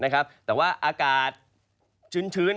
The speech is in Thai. ครับแต่ว่าอากาศชื้น